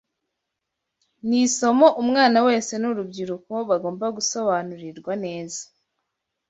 ni isomo umwana wese n’urubyiruko bagomba gusobanurirwa neza